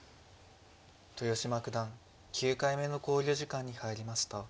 豊島九段９回目の考慮時間に入りました。